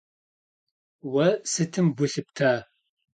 Vue sıtım gu lhıpta?